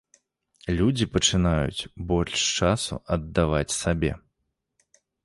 Людзі пачынаюць больш часу аддаваць сабе.